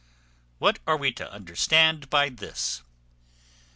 What are we to understand by this?